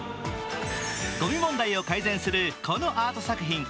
ごみ問題を改善する、このアート作品。